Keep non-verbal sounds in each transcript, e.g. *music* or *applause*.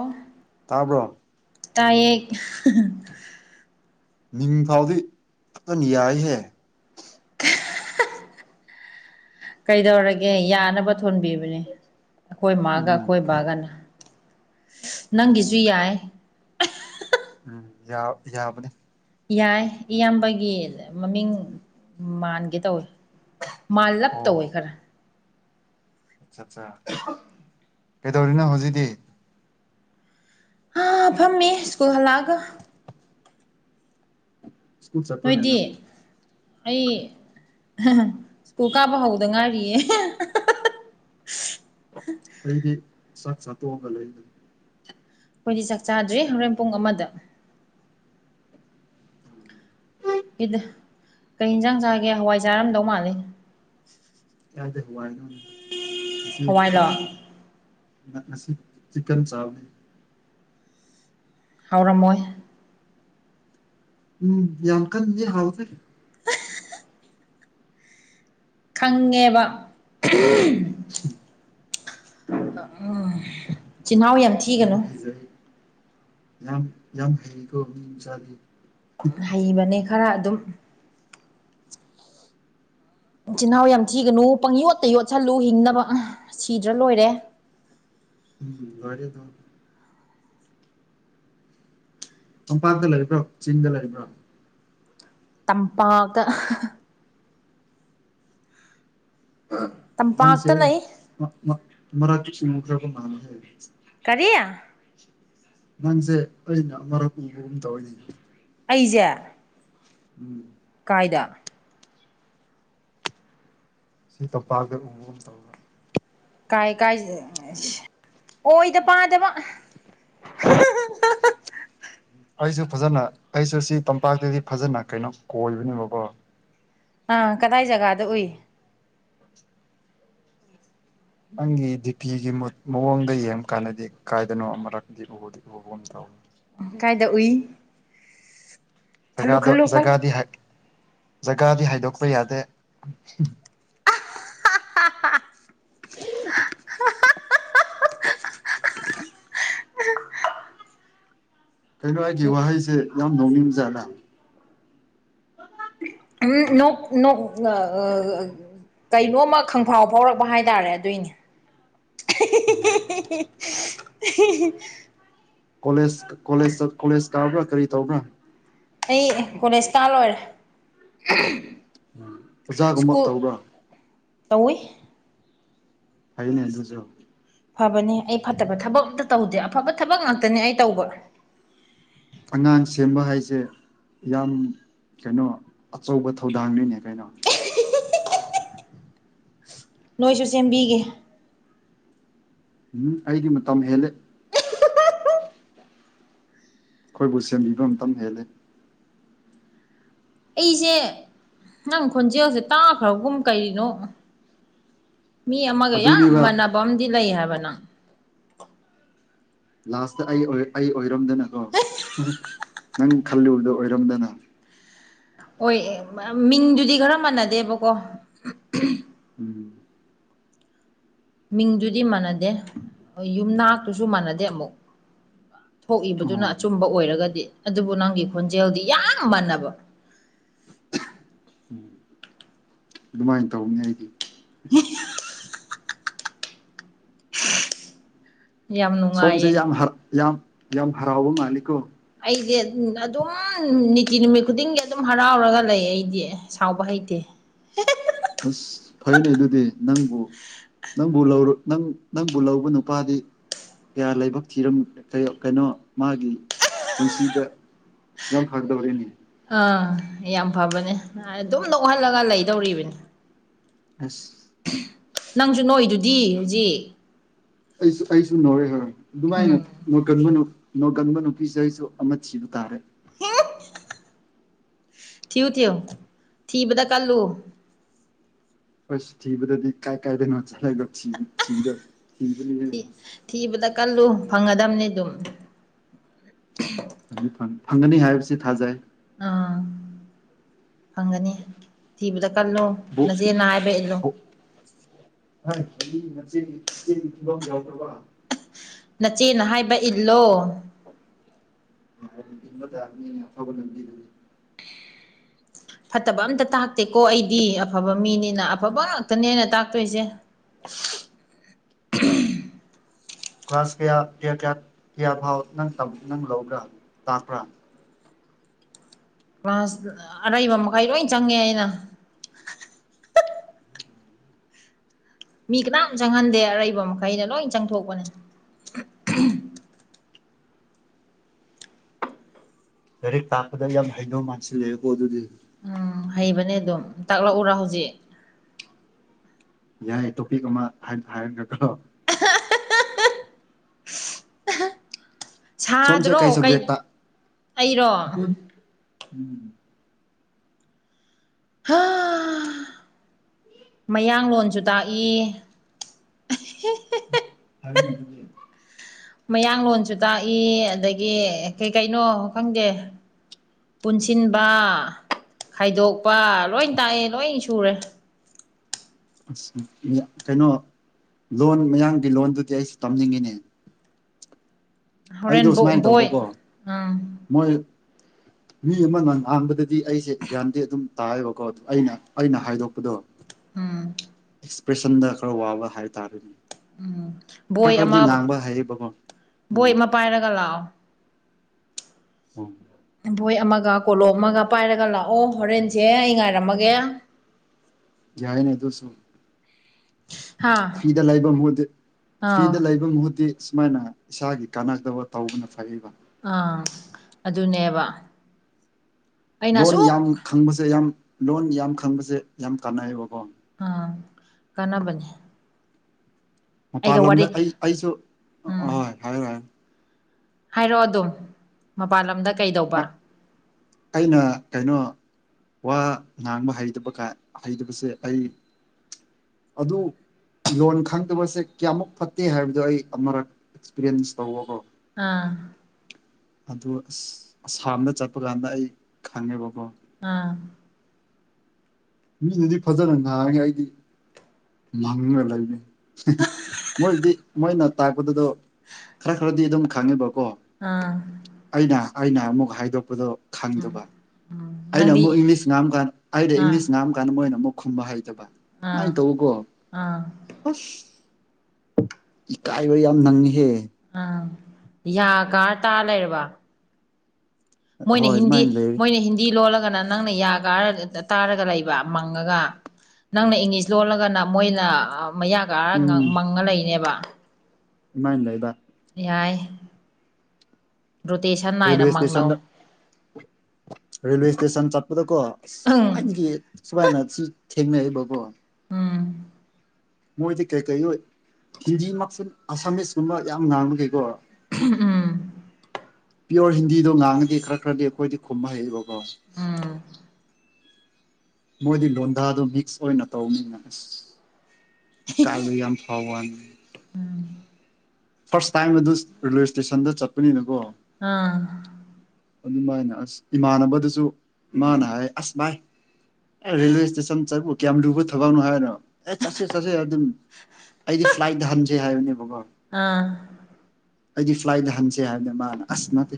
ꯑꯣ ꯇꯔꯕ꯭ꯔꯣ ꯇꯥꯏꯌꯦ ꯃꯤꯡ ꯐꯥꯎꯗꯤ ꯐꯅ ꯌꯥꯏꯍꯦ ꯀꯩꯗꯧꯔꯒꯦ ꯌꯥꯅꯕ ꯊꯣꯟꯕꯤꯕꯅꯦ ꯈꯣꯏ ꯃꯥꯒꯥ ꯎꯝ ꯑꯩꯈꯣꯏ ꯐꯩ ꯕꯥꯒꯥꯅ ꯑꯣ ꯅꯪꯒꯤꯁꯨ ꯌꯥꯏ ꯎꯝ ꯌꯥ ꯌꯥꯕꯅꯦ ꯌꯥꯏ ꯏꯌꯥꯝꯕꯒꯤ ꯃꯃꯤꯡ ꯃꯥꯟꯒꯦ ꯇꯧꯋꯦ ꯃꯥꯜꯂꯞ ꯑꯣ ꯇꯧꯋꯦ ꯈꯔ ꯑꯠꯆꯥ ꯑꯠꯆꯥ ꯀꯩꯗꯧꯔꯤꯅꯣ ꯍꯧꯖꯤꯛꯗꯤ ꯍꯥ ꯐꯝꯃꯦ ꯁ꯭ꯀꯨꯜ ꯍꯜꯂꯛꯑꯒ ꯁ꯭ꯀꯨꯜ ꯆꯠꯄ꯭ꯔꯅꯦ ꯅꯣꯏꯗꯤ ꯅꯪꯕꯨ ꯑꯩ ꯁ꯭ꯀꯨꯜ ꯀꯥꯕ ꯍꯧꯗ ꯉꯥꯏꯔꯤꯌꯦ ꯑꯩꯗꯤ ꯁꯥꯛ ꯁꯠꯇꯣꯛꯑꯒ ꯂꯩꯗꯅꯤ ꯑꯩꯈꯣꯏꯗꯤ ꯆꯥꯛ ꯆꯥꯗ꯭ꯔꯤ ꯍꯣꯔꯦꯟ ꯄꯨꯡ ꯑꯃꯗ ꯗ ꯀꯩ ꯏꯟꯁꯥꯡ ꯆꯥꯒꯦ ꯍꯋꯥꯏ ꯆꯥꯔꯝꯗꯧ ꯃꯥꯜꯂꯤ ꯀꯥꯏ ꯗꯩꯩ ꯍꯋꯥꯏ ꯅꯣꯅꯦ ꯍꯋꯥꯏꯔꯣ ꯆꯤꯛꯀꯟ ꯆꯥꯕ ꯅꯤ ꯍꯥꯎꯔꯝꯃꯣꯏ ꯎꯝ ꯌꯥꯟꯀꯟ ꯅꯗꯤ ꯍꯥꯎꯇꯦ ꯈꯪꯉꯦꯕ ꯍꯨꯝ ꯎꯝ ꯆꯤꯜꯍꯥꯎ ꯌꯥꯝ ꯊꯤꯒꯅꯨ ꯌꯥꯝ ꯌꯥꯝ ꯍꯩꯀꯣ ꯃꯤ ꯃꯆꯥꯗꯤ ꯍꯩꯕꯅꯦ ꯈꯔ ꯑꯗꯨꯝ ꯆꯤꯜꯍꯥꯎ ꯌꯥꯝ ꯊꯤꯒꯅꯨ ꯄꯪ ꯌꯣꯠꯇ ꯌꯣꯠꯁꯜꯂꯨ ꯍꯤꯡꯅꯕ ꯁꯤꯗ꯭ꯔꯥ ꯂꯣꯏꯔꯦ ꯎꯝ ꯔꯦꯗꯨꯝ ꯇꯝꯄꯥꯛꯇ ꯂꯩꯕ꯭ꯔꯣ ꯆꯤꯡꯗ ꯂꯩꯕ꯭ꯔꯥ ꯇꯝꯄꯥꯛꯇ ꯅꯪꯁ‌ꯦ ꯇꯝꯄꯥꯛꯇ ꯑꯩ ꯂꯩ ꯃꯔꯛ ꯇꯁꯨ ꯎꯈ꯭ꯔꯕ ꯃꯥꯜꯂ‌ꯦ ꯍꯥꯏ ꯀꯔꯤꯌꯥ ꯅꯪꯁꯦ ꯑꯩꯅ ꯃꯔꯨꯞ ꯎꯕꯒꯨꯝ ꯇꯧꯔꯤꯅꯤ ꯑꯩꯁꯦ ꯎꯝ ꯀꯥꯏꯗ ꯁꯤ ꯇꯝꯄꯥꯛꯠ ꯎ ꯈꯔ ꯒꯨꯝ ꯇꯧꯕ ꯀꯥꯏ ꯀꯥꯏ ꯑꯣꯏꯗ ꯄꯥꯗꯕ *inaudible* ꯑꯩꯁꯨ ꯐꯖꯅ ꯑꯩꯁꯨ ꯁꯤ ꯇꯝꯄꯥꯛꯇꯗꯤ ꯐꯖꯅ ꯀꯩꯅꯣ ꯀꯣꯏꯕꯅꯦꯕꯀꯣ ꯑꯥ ꯀꯗꯥꯏ ꯖꯒꯥꯗ ꯎꯏ ꯅꯪꯒꯤ ꯗꯤꯄꯤꯒꯤꯨꯠ ꯃꯑꯣꯡꯗ ꯌꯦꯡꯕ ꯀꯥꯟꯗꯗꯤ ꯀꯥꯏꯗꯅꯣ ꯑꯃꯛꯇꯗꯤ ꯎ ꯎꯕ ꯑꯃ ꯇꯧꯋ ꯀꯥꯏꯗ ꯎꯏ ꯈꯜꯂꯨ ꯖ ꯈꯜꯂꯨ ꯈꯜ ꯖꯒꯥꯗꯤ ꯖꯒꯥꯗꯤ ꯍꯥꯏꯗꯣꯛꯄ ꯌꯥꯗꯦ ꯀꯩꯅꯣ ꯑꯩꯒꯤ ꯋꯥꯍꯩꯁꯦ ꯌꯥꯝ ꯅꯣꯡꯅꯤꯡ ꯖꯥꯠꯅ ꯎꯝ ꯅꯣꯛ ꯅꯣꯛ ꯀꯩꯅꯣꯝꯃ ꯈꯪꯐꯥꯎ ꯐꯥꯎꯔꯛꯄ ꯍꯥꯏꯇꯥꯔꯦ ꯑꯗꯨꯏꯅꯦ *unintelligible* ꯀꯣꯂꯦꯖ ꯀꯣꯂꯦꯖ ꯀꯥꯕ꯭ꯔꯥ ꯀꯔꯤ ꯇꯧꯕ꯭ꯔꯥ ꯑꯩ ꯀꯣꯂꯦꯖ ꯀꯥ ꯂꯣꯏꯔꯦ ꯑꯣꯖꯥꯒꯨꯝꯕ ꯇꯧꯕ꯭ꯔ ꯇꯧꯋꯤ ꯐꯩꯅꯦ ꯑꯗꯨꯨꯁꯨ ꯐꯕꯅꯦ ꯑꯩ ꯐꯠꯇꯕ ꯊꯕꯛ ꯑꯝꯇ ꯇꯧꯗꯦ ꯑꯐꯕ ꯊꯕꯛ ꯉꯥꯛꯇꯅꯦ ꯑꯩ ꯇꯧꯕ ꯑꯉꯥꯡ ꯁꯦꯝꯕ ꯍꯥꯏꯁꯦ ꯌꯥꯝ ꯀꯩꯅꯣ ꯑꯆꯧꯕ ꯊꯧꯗꯥꯡꯅꯤꯅꯦ ꯀꯩꯅꯣ ꯅꯣꯏꯁꯨ ꯁꯦꯝꯕꯤꯒꯦ ꯎꯝ ꯑꯩꯗꯤ ꯃꯇꯝ ꯍꯦꯜꯂꯦ ꯑꯩꯈꯣꯏꯕꯨ ꯁꯦꯝꯕꯤꯕ ꯃꯇꯝ ꯍꯦꯜꯂꯦ ꯑꯩꯁꯦ ꯅꯪ ꯈꯣꯟꯖꯦꯜꯁꯦ ꯇꯥꯈ꯭ꯔꯕꯒꯨꯝ ꯀꯔꯤꯅꯣ ꯃꯤ ꯑꯃꯒ ꯌꯥꯝ ꯑꯗꯨꯅꯦꯕ ꯃꯥꯟꯅꯕ ꯑꯃꯗꯤ ꯂꯩ ꯍꯥꯏꯕ ꯅꯪ ꯂꯥꯁꯇ ꯑꯩ ꯑꯩ ꯑꯣꯏꯔꯝꯗꯅꯀꯣ ꯅꯪ ꯈꯜꯂꯨꯕꯗꯣ ꯑꯣꯏꯔꯝꯗꯅ ꯍꯣꯏ ꯃꯤꯡꯗꯨꯗꯤ ꯈꯔ ꯃꯥꯟꯅꯗꯦꯕꯀꯣ ꯎꯝ ꯃꯤꯡꯗꯨꯗꯤ ꯃꯥꯟꯅꯗꯦ ꯌꯨꯝꯅꯥꯛꯇꯨꯁꯨ ꯃꯥꯟꯅꯗꯦ ꯑꯃꯨꯛ ꯑꯣ ꯊꯣꯛꯏꯕꯗꯨꯅ ꯑꯆꯨꯝꯕ ꯑꯣꯏꯔꯒꯗꯤ ꯑꯗꯨꯕꯨ ꯅꯪꯒꯤ ꯈꯣꯟꯖꯦꯜꯗꯤ ꯌꯥꯝ ꯃꯥꯟꯅꯕ ꯎꯝ ꯑꯗꯨꯃꯥꯏꯅ ꯇꯧꯕꯅꯤ ꯑꯩꯗꯤ *unintelligible* ꯌꯥꯝ ꯁꯣꯝꯁꯦ ꯅꯨꯡꯉꯥꯏꯌꯦ ꯌꯥꯝ ꯌꯥꯝ ꯌꯥꯝ ꯍꯔꯥꯎꯕ ꯃꯥꯜꯂꯤꯀꯣ ꯑꯩꯗꯤ ꯑꯗꯨꯝ ꯅꯤꯇꯤ ꯅꯨꯃꯤꯠ ꯈꯨꯗꯤꯡꯒꯤ ꯑꯗꯨꯝ ꯍꯔꯥꯎꯔꯒ ꯂꯩ ꯑꯩꯗꯤ ꯁꯥꯎꯕ ꯍꯩꯇꯦ ꯑꯁ ꯐꯔꯦꯅꯦ ꯑꯗꯨꯗꯤ ꯅꯪꯕꯨ ꯅꯪꯕꯨ ꯂꯧꯔꯨ ꯅꯪ ꯅꯪꯕꯨ ꯂꯧꯕ ꯅꯨꯄꯥꯗꯤ ꯀꯌꯥ ꯂꯥꯏꯕꯛ ꯊꯤꯔꯝ ꯀꯩꯅꯣ ꯃꯥꯒꯤ ꯄꯨꯟꯁꯤꯗ ꯌꯥꯝ ꯐꯗꯣꯔꯤꯅꯦ ꯑꯥ ꯌꯥꯝ ꯐꯕꯅꯦ ꯑꯗꯨꯝ ꯅꯣꯛꯍꯜꯂꯒ ꯂꯩꯗꯣꯔꯤꯕꯅꯤ ꯑꯁ ꯅꯪꯁꯨ ꯅꯣꯛꯏꯗꯨꯗꯤ ꯍꯧꯖꯤꯛ ꯑꯩꯁꯨ ꯑꯩꯁꯨ ꯅꯣꯛꯎꯔꯦ ꯈꯔ ꯑꯗꯨꯃꯥꯏꯅ ꯎꯝ ꯅꯣꯛꯀꯟꯕ ꯅꯨꯄꯤ ꯅꯣꯛꯀꯟꯕ ꯅꯨꯄꯤꯁꯦ ꯑꯩꯁꯨ ꯑꯃ ꯊꯤꯕ ꯇꯥꯔꯦ ꯊꯤꯌꯨ ꯊꯤꯌꯨ ꯊꯤꯕꯗ ꯀꯜꯂꯨ ꯑꯁ ꯊꯤꯕꯗꯗꯤ ꯀꯥꯏ ꯀꯥꯏꯗꯅꯣ ꯆꯠꯂꯒ ꯊꯤꯒꯗꯕꯅꯤ ꯊꯤꯕꯗ ꯀꯜꯂꯨ ꯐꯪꯉꯗꯕꯅꯤ ꯑꯗꯨꯝ ꯐꯪꯅꯤ ꯐꯪꯒꯅꯤ ꯍꯥꯏꯕꯁꯤ ꯊꯥꯖꯩ ꯑꯥ ꯐꯪꯒꯅꯤ ꯊꯤꯕꯗ ꯀꯜꯂꯨ ꯕꯨ ꯅꯆꯦꯅ ꯍꯥꯏꯕ ꯏꯜꯂꯨ ꯍ ꯃꯆꯦ ꯏꯆꯦ ꯏꯕ ꯌꯥꯎ ꯄ꯭ꯔꯕꯥ ꯅꯆꯦꯅ ꯍꯥꯏꯕ ꯏꯜꯂꯣ *unintelligible* ꯐꯠꯇꯕ ꯑꯝꯇ ꯇꯥꯛꯇꯦꯀꯣ ꯑꯩꯗꯤ ꯑꯐꯕ ꯃꯤꯅꯤꯅ ꯑꯐꯕ ꯉꯥꯛꯇꯅꯦꯅ ꯇꯥꯛꯇꯣꯏꯁꯦ *unintelligible* ꯀ꯭ꯂꯥꯁ ꯀꯌꯥ ꯀꯌꯥ ꯀꯌꯥ ꯐꯥꯎ ꯅꯪ ꯅꯪ ꯂꯧꯕ꯭ꯔꯥ ꯇꯥꯛꯄ꯭ꯔꯥ ꯀ꯭ꯂꯥꯁ ꯑꯔꯩꯕ ꯃꯈꯩ ꯂꯣꯏ ꯆꯪꯉꯦ ꯑꯩꯅ ꯃꯤ ꯀꯅꯥꯝ ꯆꯪꯍꯟꯗꯦ ꯑꯔꯩꯕ ꯃꯈꯩꯅ ꯂꯣꯏ ꯆꯪꯊꯣꯛꯄꯅꯤ ꯂꯥꯏꯔꯤꯛ ꯇꯥꯛꯄꯗ ꯌꯥꯝ ꯍꯩꯗꯧ ꯃꯥꯟꯁꯤꯂꯦꯀꯣ ꯑꯗꯨꯗꯤ ꯎꯝ ꯍꯩꯕꯅꯦ ꯑꯗꯨꯝ ꯇꯥꯛꯂꯛꯎꯔꯥ ꯍꯧꯖꯤꯛ ꯌꯥꯏ ꯇꯣꯄꯤꯛ ꯑꯃ ꯍꯥꯏꯔꯈꯗ꯭ꯔꯣ ꯁꯣꯝꯁꯦ ꯀꯩ ꯁꯕꯖꯦꯛꯇ ꯑꯩꯔꯣ ꯍꯥ ꯃꯌꯥꯡꯡꯂꯣꯁꯨ ꯇꯥꯛꯏ ꯎ ꯃꯌꯥꯡꯡꯂꯣꯁꯨ ꯇꯥꯛꯏ ꯑꯗꯒꯤ ꯀꯩ ꯀꯩꯅꯣ ꯈꯪꯗꯦ ꯄꯨꯟꯁꯤꯟꯕ ꯈꯥꯏꯗꯣꯛꯄ ꯂꯣꯏ ꯇꯥꯛꯑꯦ ꯂꯣꯏ ꯁꯨꯔꯦ ꯑ ꯀꯩꯅꯣ ꯂꯣꯟ ꯃꯌꯥꯝꯒꯤ ꯂꯣꯟꯗꯨꯗꯤ ꯑꯩꯁꯨ ꯇꯝꯅꯤꯡꯉꯤꯅꯦ ꯍꯣꯔꯦꯟ ꯑꯩꯗꯣ ꯁꯨꯃꯥꯏꯅ ꯕꯣꯏ ꯇꯧꯕꯀꯣ ꯎꯝ ꯃꯣꯏ ꯃꯤ ꯑꯃ ꯉ ꯉꯥꯟꯕꯗꯗꯤ ꯑꯩꯁꯦ ꯒ꯭ꯌꯥꯟꯗꯤ ꯑꯗꯨꯝ ꯇꯥꯏꯑꯕꯀꯣ ꯑꯩꯅ ꯑꯩꯅ ꯍꯥꯏꯗꯣꯛꯄꯗꯣ ꯎꯝ ꯑꯦꯛꯁꯄ꯭ꯔꯦꯁꯟꯗ ꯈꯔ ꯋꯥꯕ ꯍꯥꯏꯇꯥꯔꯦꯅꯦ ꯎꯝ ꯕꯣꯏ ꯈꯔ ꯈꯔꯗꯤ ꯑꯃ ꯉꯥꯡꯕ ꯍꯥꯏꯔꯤꯕꯀꯣ ꯕꯣꯏ ꯎꯝ ꯑꯃ ꯄꯥꯏꯔꯒ ꯂꯥꯛꯑꯣ ꯎ ꯕꯣꯏ ꯑꯃꯒ ꯀꯣꯂꯣ ꯑꯃꯒ ꯄꯥꯏꯔꯒ ꯂꯥꯛꯑꯣ ꯍꯣꯔꯦꯟꯁꯦ ꯑꯩ ꯉꯥꯏꯔꯝꯃꯒꯦ ꯌꯥꯏꯅꯦꯗ ꯁꯣ ꯍꯥ ꯐꯤꯔꯤꯗ ꯂꯩꯕ ꯃꯍꯨ ꯑꯥꯎ ꯐ꯭ꯤꯔꯤꯗ ꯂꯩꯕ ꯃꯍꯨꯠꯇꯤ ꯁꯨꯃꯥꯏꯅ ꯏꯁꯥꯒꯤ ꯀꯥꯟꯅꯖꯗꯕ ꯇꯧꯕꯅ ꯐꯩꯕ ꯑꯥ ꯑꯗꯨꯅꯦꯕ ꯑꯩꯅ ꯂꯣꯟ ꯑꯁꯨꯛ ꯌꯥꯝ ꯈꯪꯕꯁꯦ ꯌꯥꯝ ꯂꯣꯟ ꯌꯥꯝ ꯈꯪꯕꯁꯦ ꯌꯥꯝ ꯀꯥꯟꯅꯩꯌꯦꯕꯀꯣ ꯑꯥ ꯀꯅꯥꯕꯅꯤꯦ ꯃꯄꯥꯟ ꯂꯝꯣꯝꯗ ꯑꯩ ꯑꯩꯁꯨ ꯍꯣꯏ ꯍꯥꯏ ꯍꯥꯏ ꯍꯥꯏꯔꯛꯑꯣꯗꯣ ꯃꯄꯥꯟ ꯂꯝꯗ ꯀꯩꯗꯧꯕ ꯑꯩꯅ ꯀꯩꯅꯣ ꯋꯥ ꯉꯥꯡꯕ ꯍꯩꯕ ꯍꯩꯇꯕꯁꯦ ꯑꯩ ꯑꯗꯨ ꯂꯣꯟ ꯈꯪꯗꯕꯁꯦ ꯀꯌꯥꯃꯨꯛ ꯐꯠꯇꯦ ꯍꯥꯏꯕꯗꯨꯣ ꯑꯩ ꯑꯃꯛ ꯑꯦꯛꯁꯄꯤꯔꯤꯌꯦꯟꯁ ꯇꯧꯕꯣ ꯑꯥ ꯑꯗꯨ ꯑ ꯑꯁꯥꯝꯗ ꯆꯠꯄ ꯀꯥꯟꯗ ꯑꯩ ꯈꯪꯉꯦꯕꯀꯣ ꯑꯥ ꯃꯤꯅꯗꯤ ꯐꯖꯅ ꯅꯥꯉꯦ ꯑꯩꯗꯤ ꯃꯪꯅ ꯂꯩꯅꯤ ꯃꯣꯏꯗꯤ ꯃꯣꯏꯅ ꯇꯥꯛꯄꯗꯨꯗꯣ ꯈꯔ ꯈꯔꯗꯤ ꯑꯗꯨꯝ ꯈꯥꯡꯉꯦꯕ ꯑꯥ ꯑꯩꯅ ꯑꯃꯨꯛ ꯍꯥꯏꯗꯣꯛꯄꯗꯣ ꯎꯝ ꯈꯪꯗꯕ ꯎꯝ ꯑꯩꯅ ꯅꯪꯗꯤ ꯑꯃꯨꯛ ꯏꯪꯂꯤꯁ ꯉꯥꯡꯝꯀꯥꯟꯗ ꯑꯩꯅ ꯑꯥ ꯏꯪꯂꯤꯁ ꯉꯥꯡꯝ ꯀꯥꯟꯗ ꯃꯣꯏꯅ ꯑꯃꯨꯛ ꯈꯨꯝꯕ ꯍꯥꯏꯩꯗꯕ ꯑꯥ ꯁꯨꯃꯥꯏꯅ ꯇꯧꯧꯕꯀꯣ ꯑꯥ ꯀꯥꯏꯕ ꯌꯥꯝ ꯅꯪꯍꯦ ꯑ ꯌꯥꯒꯥꯥꯔ ꯇꯥ ꯂꯩꯔꯕ ꯃꯣꯏꯅ ꯍꯣꯏ ꯍꯤꯟꯗꯤ ꯑꯗꯨꯃꯥꯏꯅ ꯂꯩꯔꯤ ꯃꯣꯏꯅ ꯍꯤꯟꯗꯤ ꯂꯣꯜꯂꯒ ꯅ ꯅꯪꯅ ꯌꯥ ꯀ ꯇꯥꯔꯒ ꯂꯩꯕ ꯃꯪꯉꯒ ꯅꯪꯅ ꯏꯪꯂꯤꯁ ꯂꯣꯜꯂꯒꯅ ꯃꯣꯏꯅ ꯃꯌꯥ ꯀꯔ ꯃꯪꯉ ꯂꯩꯅꯦꯕ ꯂꯩꯥꯏꯕ ꯌꯥꯏ ꯔꯣꯇꯦꯁꯟ ꯅꯥꯏꯅ ꯔꯦꯜꯋꯦ ꯃꯥꯡꯅꯧ ꯏꯁꯇꯦꯁꯟꯗ ꯔꯦꯜꯋꯦ ꯏꯁꯇꯦꯁꯟ ꯆꯠꯄꯗꯀꯣ ꯎꯝ ꯈ꯭ꯋꯥꯏꯗꯒꯤ ꯁꯨꯃꯥꯏꯅ ꯊꯦꯡꯅꯦꯕꯣ ꯎꯝ ꯃꯣꯏꯗꯤ ꯀꯩ ꯀꯔꯤ ꯍꯤꯟꯗꯤꯃꯛꯁꯨ ꯑꯁꯥꯃꯤꯁꯀꯨꯝꯕ ꯌꯥꯝ ꯉꯥꯡꯕ ꯀꯩꯀꯣ ꯎꯝ ꯄꯤꯌꯣꯔ ꯍꯤꯟꯗꯤꯗꯣ ꯉꯥꯡꯉꯗꯤ ꯈꯔ ꯈꯔꯗꯤ ꯑꯩꯈꯣꯏꯗꯤ ꯈꯨꯝꯕ ꯍꯩꯌꯦꯕꯀꯣ ꯎꯝ *unintelligible* ꯃꯣꯏꯗꯤ ꯂꯣꯟꯗꯥꯥꯗꯣ ꯃꯤꯛꯁ ꯑꯣꯏꯅ ꯇꯧꯅꯤꯅ ꯏꯀꯥꯏꯁꯨ ꯌꯥꯝ ꯐꯥꯎꯕꯅꯦ ꯎꯝ ꯐꯥꯔꯁ ꯇꯥꯏꯝ ꯑꯗꯨ ꯔꯦꯜꯋꯦ ꯏꯁꯇꯦꯁꯟꯗ ꯆꯠꯄꯅꯤꯅꯀꯣ ꯑꯥ ꯑꯗꯨꯃꯥꯏꯅ ꯑꯁ ꯏꯃꯥꯟꯅꯕꯗꯨꯁꯨ ꯏꯃꯥꯅ ꯍꯥꯏ ꯑꯁ ꯚꯥꯏ ꯑꯦ ꯔꯦꯜꯋꯦ ꯏꯁꯇꯦꯁꯟ ꯆꯠꯄ ꯀꯌꯥꯝ ꯂꯨꯕ ꯊꯕꯛꯅꯣ ꯍꯥꯏꯕꯅꯣ ꯑꯦ ꯆꯠꯁꯦ ꯆꯠꯁꯦ ꯑꯗꯨꯝ ꯑꯩꯗꯤ ꯐ꯭ꯂꯥꯏꯠ ꯍꯟꯖꯦ ꯍꯥꯏꯕꯅꯦꯕꯀꯣ ꯑꯥ ꯑꯩꯗꯤ ꯐ꯭ꯂꯥꯏꯠꯇ ꯍꯟꯁꯦ ꯍꯥꯏꯕꯅꯦ ꯃꯥꯅ ꯑꯁ ꯅꯠꯇꯦ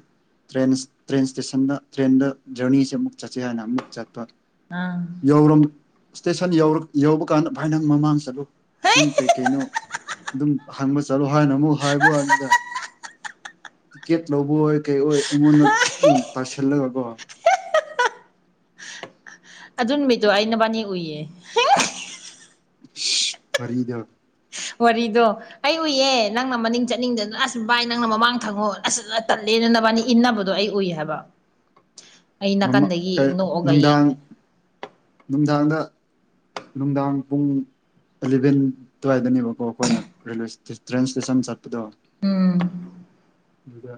ꯇ꯭ꯔꯦꯟ ꯇ꯭ꯔꯦꯟ ꯏꯁꯇꯦꯁꯟꯗ ꯇ꯭ꯔꯦꯟꯗ ꯖꯔꯅꯤꯁꯦ ꯑꯃꯨꯛ ꯆꯠꯁꯦ ꯍꯥꯏꯅ ꯑꯃꯨꯛ ꯆꯠꯄ ꯑꯥ ꯌꯧ ꯏꯁꯇꯦꯁꯟ ꯌꯧꯕ ꯀꯥꯟꯗ ꯚꯥꯏ ꯅꯪ ꯃꯃꯥꯡ ꯆꯠꯂꯨ ꯅꯪ ꯀꯩꯀꯩꯅꯣ ꯑꯗꯨꯝ ꯍꯪꯕ ꯆꯠꯂꯣ ꯍꯥꯏꯅ ꯑꯃꯨꯛ ꯍꯥꯏꯕ ꯑꯗꯨꯗ ꯇꯤꯀꯦꯠ ꯂꯧꯕ ꯑꯣꯏ ꯀꯩ ꯑꯣꯏ ꯑꯩꯉꯣꯟꯗ ꯂꯣꯏ ꯇꯥꯁꯤꯜꯂꯒꯀꯣ ꯑꯗꯨ ꯃꯤꯗꯣ ꯑꯩꯅꯕꯥꯅꯤ ꯎꯏꯌꯦ ꯐꯔꯤꯗ ꯋꯥꯔꯤꯗꯣ ꯑꯩ ꯎꯏꯌꯦ ꯅꯪꯅ ꯃꯅꯤꯡ ꯆꯠꯅꯤꯡꯗꯅ ꯑꯁ ꯚꯏ ꯅꯪꯅ ꯃꯃꯥꯡ ꯊꯪꯉꯣ ꯑꯁ ꯇꯜꯂꯦ ꯆꯦꯟꯅꯅꯕꯅꯤ ꯏꯟꯅꯕꯗꯣ ꯑꯩ ꯎꯏ ꯍꯥꯏꯕ *inaudible* ꯑꯩ ꯃ ꯅꯥꯀꯟꯗꯒꯤ ꯅꯣꯛꯑꯒ ꯅꯨꯡꯗꯥꯡ ꯌꯦꯡꯕꯅꯦ ꯅꯨꯡꯗꯥꯡꯗ ꯅꯨꯡꯗꯥꯡ ꯄꯨꯡ ꯑꯦꯂꯚꯦꯟ ꯑꯗꯨꯋꯥꯏꯗꯅꯦꯕꯀꯣ ꯑꯩꯈꯣꯏꯅ ꯔꯦꯜꯋꯦ ꯇ꯭ꯔꯦꯟ ꯏꯁꯇꯦꯁꯟ ꯆꯠꯄꯗꯣ ꯎꯝ ꯑꯗꯨꯗ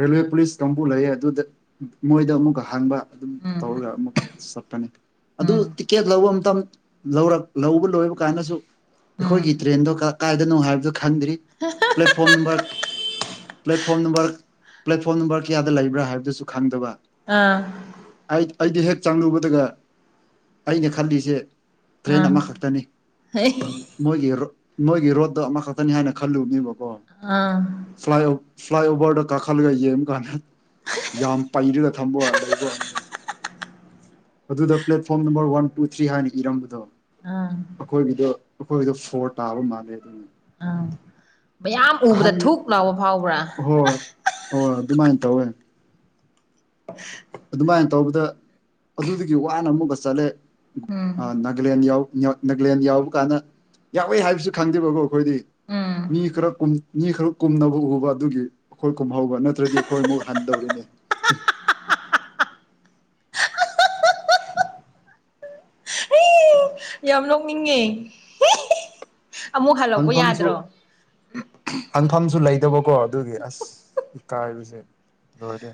ꯔꯦꯜꯋꯦ ꯄꯨꯂꯤꯁ ꯀꯥꯡꯕꯨ ꯂꯩꯌꯦ ꯑꯗꯨꯗ ꯃꯣꯏꯗ ꯑꯃꯨꯛꯀ ꯍꯪꯕ ꯑꯗꯨꯝ ꯎꯝ ꯇꯧꯔꯒ ꯑꯃꯨꯛ ꯆꯠꯄꯅꯤ ꯑꯗꯨ ꯎꯝ ꯇꯤꯛꯀꯦꯠ ꯂꯧꯕ ꯃꯇꯝꯇ ꯂꯧꯔꯛ ꯂꯧꯕ ꯂꯣꯏꯕ ꯀꯥꯏꯅꯁꯨ ꯎꯝ ꯑꯩꯈꯣꯏꯒꯤ ꯇ꯭ꯔꯦꯟꯗꯣ ꯀ ꯀꯥꯏꯗꯅꯣ ꯍꯥꯏꯕꯗꯨ ꯈꯪꯗ꯭ꯔꯤ platform number platform number platform number ꯀꯌꯥꯗ ꯂꯩꯕ꯭ꯔꯥ ꯍꯥꯏꯕꯗꯨꯁꯨ ꯈꯪꯗꯕ ꯑꯥ ꯑꯩꯗꯤ ꯍꯦꯛ ꯆꯪꯂꯨꯕꯗꯒ ꯑꯩꯅ ꯈꯜꯂꯤꯁꯦ ꯇ꯭ꯔꯦꯟ ꯑꯥ ꯑꯃꯈꯛꯇꯅꯤ ꯃꯒꯤꯔꯣ ꯅꯣꯏꯒꯤ ꯔꯣꯠꯇ ꯑꯃꯈꯛꯇꯅꯤ ꯍꯥꯏꯅ ꯈꯜꯂꯨꯕꯅꯦꯕꯀꯣ ꯑꯥ ꯐ꯭ꯂꯥꯏ ꯐ꯭ꯂꯥꯏ ꯑꯣꯚꯔꯗ ꯀꯥ ꯈꯜꯒꯥꯏ ꯀꯥꯟ ꯌꯥꯝ ꯄꯩꯔꯒ ꯊꯝꯕ ꯂꯩꯕ ꯋꯥꯅꯤ ꯑꯗꯨꯗ platform number one two three ꯍꯥꯏꯅ ꯏꯔꯝꯕꯗꯣ ꯑꯥ ꯑꯩꯈꯣꯏꯒꯤꯗꯣ ꯑꯩꯈꯣꯏꯒꯤꯗꯣ ꯐꯣꯔ ꯇꯥꯕ ꯃꯥꯜꯂꯦ ꯑꯗꯨꯅ ꯌꯥꯝ ꯎꯕꯗ ꯑꯍꯟ ꯊꯨꯛ ꯂꯥꯎꯕ ꯐꯥꯎꯕ꯭ꯔꯥ ꯍꯣꯏ ꯍꯣꯏ ꯑꯗꯨꯃꯥꯏꯅ ꯇꯧꯋꯦ ꯑꯗꯨꯃꯥꯏꯅ ꯇꯧꯕꯗ ꯑꯗꯨꯗꯨꯒꯤ ꯋꯥꯅ ꯑꯃꯨꯛꯀ ꯆꯠꯂꯦ ꯎꯝ ꯅꯥꯒꯂꯦꯟ ꯅꯥꯒꯂꯦꯟ ꯌꯥꯎꯕ ꯀꯥꯟꯗ ꯌꯥꯎꯋꯦ ꯍꯥꯏꯕꯁꯨ ꯈꯪꯗꯦꯕꯀꯣ ꯑꯩꯈꯣꯏꯗꯤ ꯎꯝ ꯃꯤ ꯈꯔ ꯃꯤ ꯈꯔ ꯀꯨꯝꯅꯕ ꯎꯕ ꯑꯗꯨꯒꯤ ꯑꯩꯈꯣꯏ ꯀꯨꯝꯍꯧꯕ ꯅꯠꯇ꯭ꯔꯗꯤ ꯑꯩꯈꯣꯏ ꯑꯃꯨꯛ ꯍꯟꯗꯧꯔꯤꯅꯤ ꯎ ꯌꯥꯝ ꯂꯧꯣꯛꯅꯤꯡꯉꯦ ꯍꯪꯐꯝꯁꯨ ꯍꯪꯐꯝꯁꯨ ꯂꯩ ꯀꯇꯕꯀꯣ ꯑꯗꯨꯒꯤ ꯑꯁ ꯏ ꯀꯥꯏꯕꯨꯁꯦ ꯂꯣꯏꯔꯦ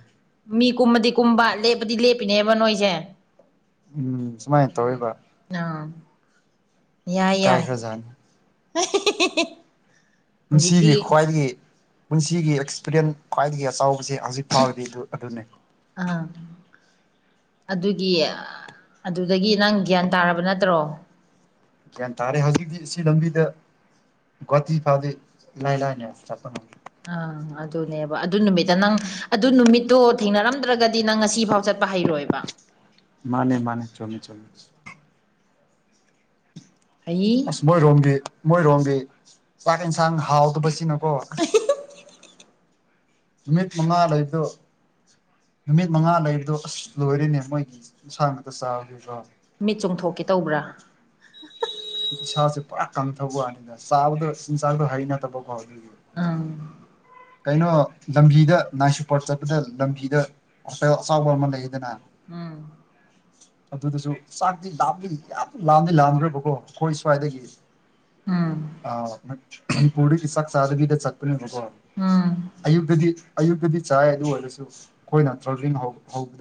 ꯃꯤ ꯀꯨꯝꯃꯗꯤ ꯀꯨꯝꯕ ꯂꯦꯞꯄꯗꯤ ꯂꯦꯞꯄꯤꯅꯦꯕ ꯅꯣꯏꯁꯦ ꯎꯝ ꯁꯨꯃꯥꯏꯅ ꯎꯝ ꯇꯧꯔꯤꯕ ꯑꯥ ꯌꯥꯏ ꯀꯥꯏ ꯌꯥꯏ ꯈꯔꯖꯅꯤ *inaudible* ꯄꯨꯟꯁꯤꯒꯤ ꯍꯧꯖꯤꯛꯇꯤ ꯈ꯭ꯋꯥꯏꯗꯒꯤ ꯄꯨꯟꯁꯤꯒꯤ ꯑꯦꯛꯁꯄꯤꯔꯤꯌꯦꯟ ꯈ꯭ꯋꯥꯏꯗꯒꯤ ꯆꯥꯎꯁꯦ ꯍꯧꯖꯤꯛ ꯐꯥꯕꯗꯤ ꯑꯗꯨ ꯑꯗꯨꯅꯤ ꯑꯥ ꯑꯗꯨꯒꯤ ꯑꯗꯨꯗꯒꯤ ꯅꯪ ꯒ꯭ꯌꯥꯟ ꯇꯥꯔꯕ ꯅꯠꯇ꯭ꯔꯣ ꯒ꯭ꯌꯥꯟ ꯇꯥꯔꯦ ꯍꯧꯖꯤꯛꯇꯤ ꯁꯤ ꯂꯝꯕꯤꯗ ꯇ ꯐꯥꯎꯗ ꯂꯩ ꯂꯅꯦ ꯆꯄ ꯑꯥ ꯑꯗꯨꯅꯦꯕ ꯑꯗꯨ ꯅꯨꯃꯤꯠꯇ ꯅꯪ ꯑꯗꯨ ꯅꯨꯃꯤꯠꯇꯣ ꯊꯦꯡꯅꯔꯝꯗ꯭ꯔꯒꯗꯤ ꯅꯪ ꯉꯁꯤ ꯐꯥꯎ ꯆꯠꯄ ꯍꯩꯔꯣꯏꯕ ꯃꯥꯅꯦ ꯃꯥꯅꯦ ꯆꯃꯦꯃꯦ ꯆꯃꯦ ꯑꯩ ꯑꯁ ꯃꯣꯏꯔꯣꯝꯕꯤ ꯃꯣꯏꯔꯣꯝꯕꯤ ꯍꯛꯁꯥꯡ ꯍꯥꯎꯗꯕꯁꯤꯅꯀꯣ ꯅꯨꯃꯤꯠ ꯃꯉꯥ ꯂꯩꯗ ꯅꯨꯃꯤꯠ ꯃꯉꯥ ꯂꯩꯕꯗꯣ ꯑꯁ ꯂꯣꯏꯔꯅꯦ ꯃꯣꯏꯒꯤ ꯏꯟꯁꯥꯡ ꯉꯥꯛꯛꯇ ꯆꯥꯔꯤꯕ꯭ꯔꯣ ꯃꯤꯠ ꯆꯣꯡꯊꯣꯛꯀꯦ ꯇꯧꯕ꯭ꯔꯥ ꯏꯁꯥꯁꯦ ꯄꯨꯔꯥ ꯀꯟꯊꯕ ꯋꯥꯅꯤꯗ ꯆꯥꯕꯗꯣ ꯏꯤꯟꯁꯥꯛꯗꯣ ꯍꯩꯅꯠꯇꯕ ꯐꯥꯎꯗ ꯑꯪ ꯀꯩꯅꯣ ꯂꯝꯕꯤꯗ ꯅꯥꯏꯁꯨꯄꯥꯠ ꯆꯠꯄꯗ ꯂꯝꯕꯤꯗ ꯑꯦ ꯆꯥꯎꯕ ꯑꯃ ꯂꯩꯈꯤꯗꯅ ꯎꯝ *inaudible* ꯑꯗꯨꯗꯁꯨ ꯆꯥꯛꯇꯤ ꯂꯥꯞꯂꯤ ꯌꯥꯝ ꯂꯥꯝꯂꯤ ꯂꯥꯝꯈ꯭ꯔꯕꯀꯣ ꯑꯩꯈꯣꯏ ꯁ꯭ꯋꯥꯏꯗꯒꯤ ꯎꯝ ꯑ ꯃ ꯄꯨꯔꯗꯤ ꯁꯥꯛ ꯆꯕꯤꯗ ꯆꯥꯛꯣ ꯎꯝ ꯑꯌꯨꯛꯇꯗꯤ ꯑꯌꯨꯛꯇꯗꯤ ꯆꯥꯏ ꯑꯗꯨ ꯑꯣꯏꯔꯁꯨ ꯑꯩꯈꯣꯏꯅ ꯇ꯭ꯔꯕꯂꯤ